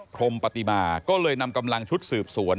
พรมปฏิมาก็เลยนำกำลังชุดสืบสวน